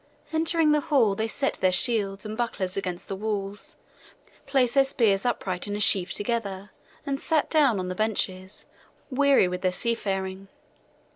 Entering the hall, they set their shields and bucklers against the walls, placed their spears upright in a sheaf together, and sat down on the benches, weary with their seafaring.